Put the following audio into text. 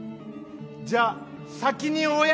じゃあ先に親で。